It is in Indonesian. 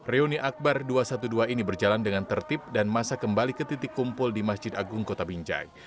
reuni akbar dua ratus dua belas ini berjalan dengan tertib dan masa kembali ke titik kumpul di masjid agung kota binjai